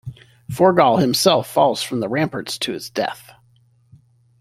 Forgall himself falls from the ramparts to his death.